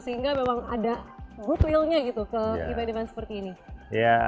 sehingga memang ada goodwill nya gitu ke event event seperti ini